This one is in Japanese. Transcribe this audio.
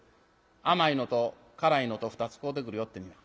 甘いのと辛いのと２つ買うてくるよってにな